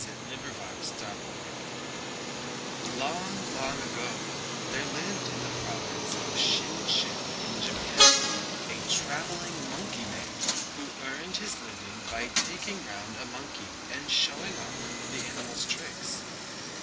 THE SAGACIOUS MONKEY AND THE BOAR Long, long ago, there lived in the province of Shinshin in Japan, a traveling monkey man, who earned his living by taking round a monkey and showing off the animal's tricks.